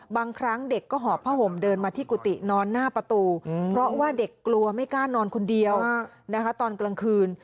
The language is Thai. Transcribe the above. บางครั้งเด็กก็หอบผ้าห่มเดินมาที่กุฏินอนหน้าประตูเพราะว่าเด็กกลัวไม่กล้านอนคนเดียวนะคะตอนกลางคืน